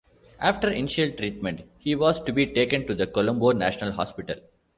After initial treatment, he was to be taken to the Colombo National Hospital.